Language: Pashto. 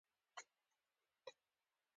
زه یو کور لرم چې ډیر ښکلی دی.